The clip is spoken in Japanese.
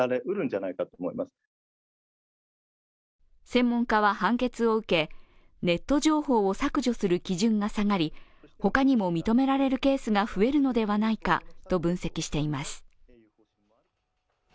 専門家は判決を受け、ネット情報を削除する基準が下がり、ほかにも認められるケースが増えるのではないかと分析しています。